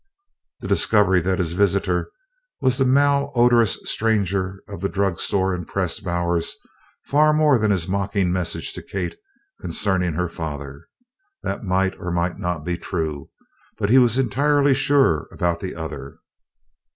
The discovery that his visitor was the malodorous stranger of the drug store impressed Bowers far more than his mocking message to Kate concerning her father. That might or might not be true, but he was entirely sure about the other.